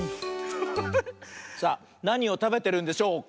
さあなにをたべてるんでしょうか？